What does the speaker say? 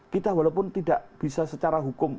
kita walaupun tidak bisa secara hukum